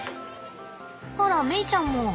あらメイちゃんも。